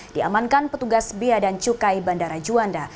diamankan petugas biaya dan cukai bandara juanda